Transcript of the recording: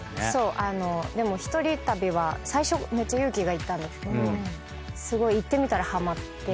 でも一人旅は最初めっちゃ勇気がいったんですけどすごい行ってみたらハマって。